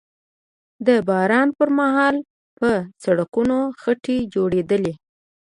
د باران پر مهال به په سړکونو خټې جوړېدلې